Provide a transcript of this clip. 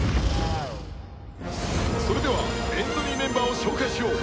それではエントリーメンバーを紹介しよう